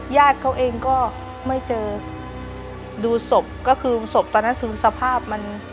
ญาติเขาเองก็ไม่เจอดูศพก็คือศพตอนนั้นคือสภาพมัน